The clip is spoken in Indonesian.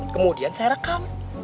kemudian saya rekam